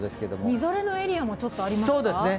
みぞれのエリアもちょっとありますか？